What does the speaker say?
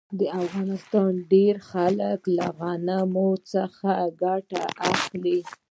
د افغانستان ډیری خلک له غنمو ګټه اخلي.